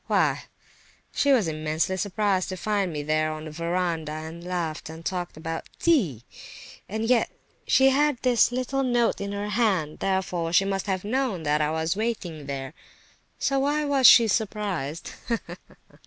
"Why, she was immensely surprised to find me there on the verandah, and laughed and talked about tea! And yet she had this little note in her hand, therefore she must have known that I was sitting there. So why was she surprised?